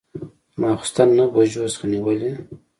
د ماخوستن نهه بجو څخه نیولې.